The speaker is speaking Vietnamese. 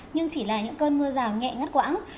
nhưng chỉ là những cơn mưa rào nhẹ ngắt quãng